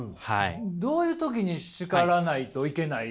どういう時に叱らないといけない？